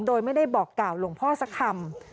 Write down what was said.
โดยไม่ได้บอกกล่าวหลวงพ่อสักคำ